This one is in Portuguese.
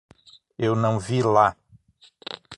Eu não vi lá.